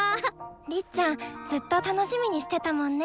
りっちゃんずっと楽しみにしてたもんね。